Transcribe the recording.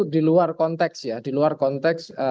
di luar konteks ya di luar konteks